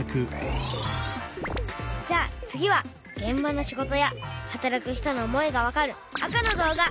じゃあ次はげん場の仕事や働く人の思いがわかる赤の動画。